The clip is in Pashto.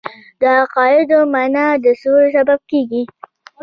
د عقایدو منل د سولې سبب دی.